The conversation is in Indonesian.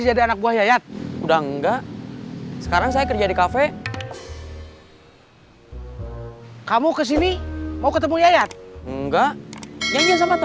seneng mengingat berapa terakhir